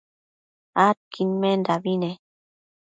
adquidmendabi ne